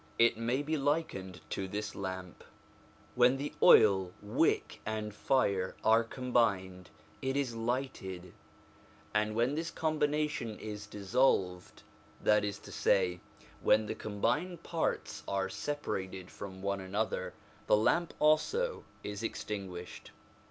It may be likened to this lamp : when the oil, wick, and fire are combined it is lighted, and when this combination is dissolved, that is to say when the combined parts are separated from one another, the lamp also is extinguished.